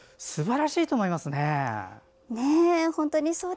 すばらしいと思いますね。